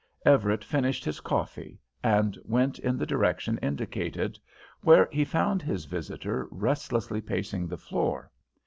Everett finished his coffee, and went in the direction indicated, where he found his visitor restlessly pacing the floor.